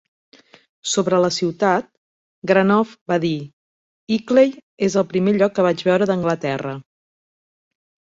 Sobre la ciutat, Granov va dir: "Ilkley és el primer lloc que vaig veure d'Anglaterra",